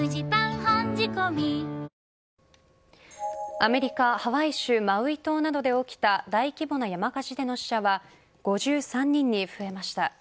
アメリカ・ハワイ州マウイ島などで起きた大規模な山火事での死者は５３人に増えました。